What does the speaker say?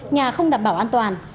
nhà không đảm bảo an toàn